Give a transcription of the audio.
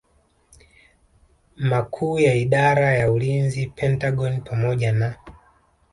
Makuu ya Idara ya Ulinzi Pentagon pamoja na